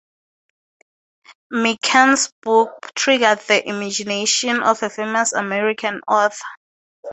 Mencken's book triggered the imagination of a famous American author.